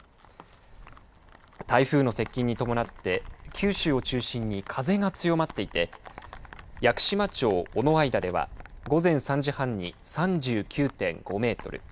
台風の接近に伴って九州を中心に風が強まっていて屋久島町尾之間では午前３時半に３９．５メートル